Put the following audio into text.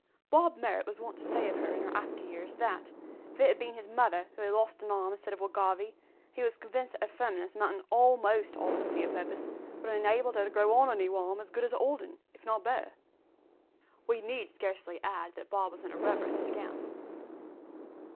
Bob Marrot was wont to say of her, in after years, that, "if it had bin his mother who had lost an arm instead of Will Garvie, he was convinced that her firmness, amountin' a'most to obstinacy, of purpose, would have enabled her to grow on a noo arm as good as the old 'un, if not better." We need scarcely add that Bob was an irreverent scamp!